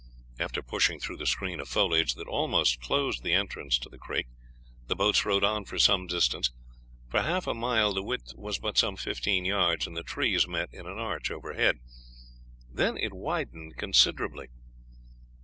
After pushing through the screen of foliage that almost closed the entrance to the creek, the boats rowed on for some distance. For half a mile the width was but some fifteen yards, and the trees met in an arch overhead, then it widened considerably.